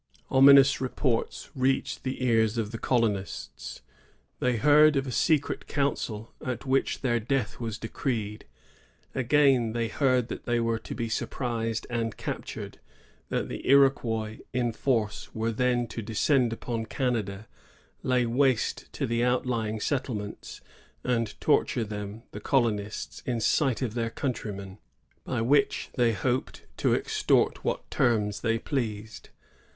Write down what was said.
Ominous reports reached the ears of the colonists. They heard of a secret council at which their death was decreed. Again, they heard that they were to be surprised and captured, that the Iroquois in force were then to descend upon Canada, lay waste the outlying settlements, and torture them, the colonists, in sight of their countiymen, by which they hoped to extort what terms they pleased.